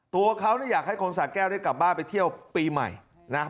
ตัวเขาเนี่ยอยากให้คนสาแก้วได้กลับบ้านไปเที่ยวปีใหม่นะ